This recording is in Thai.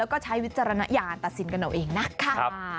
แล้วก็ใช้วิจารณญาณตัดสินกันเอาเองนะคะ